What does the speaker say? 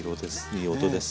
いい音です。